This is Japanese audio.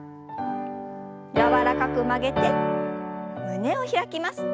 柔らかく曲げて胸を開きます。